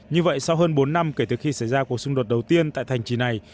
như vậy sau hơn bốn năm kể từ khi xảy ra cuộc xung đột đầu tiên tại thành trì này